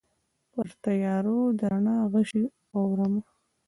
پرتیارو د رڼا غشي اورومه